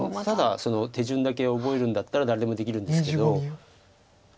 ただその手順だけ覚えるんだったら誰でもできるんですけど。